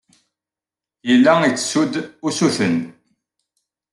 Yella ittessu-d usuten.